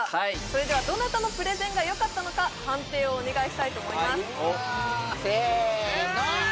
それではどなたのプレゼンがよかったのか判定をお願いしたいと思いますせーの！